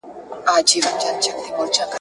د نرمغالي دپاره مي په کڅوڼي کي نوي رنګونه ایښي دي.